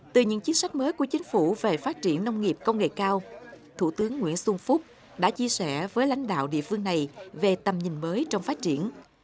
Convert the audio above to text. từ những chính sách mới của chính phủ về phát triển nông nghiệp công nghệ cao thủ tướng nguyễn xuân phúc đã chia sẻ với lãnh đạo địa phương này về tầm nhìn mới trong phát triển